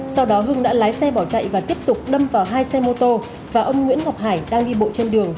sau đó hưng đã lái xe bỏ chạy và tiếp tục đâm vào hai xe mô tô và ông nguyễn ngọc hải đang đi bộ trên đường